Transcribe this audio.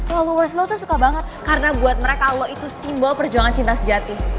followers low tuh suka banget karena buat mereka allah itu simbol perjuangan cinta sejati